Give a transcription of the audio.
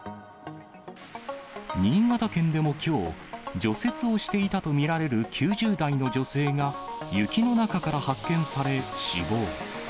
新潟県でもきょう、除雪をしていたと見られる９０代の女性が、雪の中から発見され、死亡。